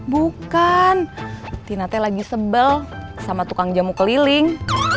bukan tinate lagi sebel sama tukang jamu keliling